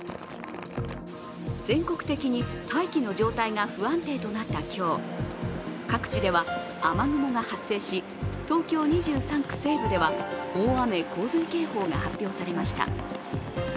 全国的に大気の状態が不安定となった今日、各地では雨雲が発生し東京２３区西部では大雨・洪水警報が発表されました。